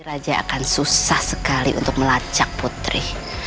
raja akan susah sekali untuk melacak putri